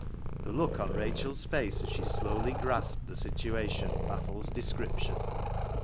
The look on Rachel's face as she slowly grasped the situation baffles description.